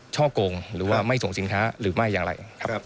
ช่องโกงหรือว่าไม่ส่งสินค้าหรือไม่อย่างไรครับครับ